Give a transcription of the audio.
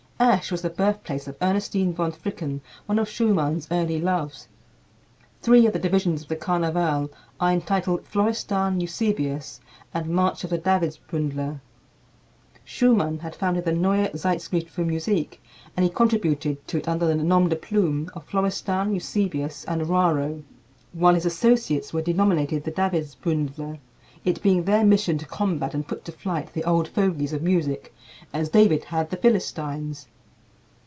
Asch was the birthplace of Ernestine von Fricken, one of Schumann's early loves. Three of the divisions of the "Carnaval" are entitled Florestan, Eusebius, and March of the Davidsbündler. Schumann had founded the "Neue Zeitschrift für Musik," and he contributed to it under the noms de plume of Florestan, Eusebius and Raro; while his associates were denominated the Davidsbündler, it being their mission to combat and put to flight the old fogies of music, as David had the Philistines.